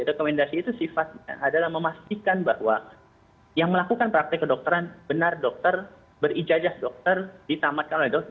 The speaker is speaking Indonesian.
rekomendasi itu sifatnya adalah memastikan bahwa yang melakukan praktek kedokteran benar dokter berijajah dokter ditamatkan oleh dokter